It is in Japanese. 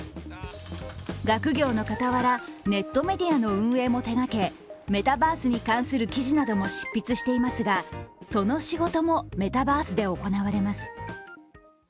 学業の傍ら、ネットメディアの運営も手がけメタバースに関する記事なども執筆していますがその仕事もメタバースで行われます。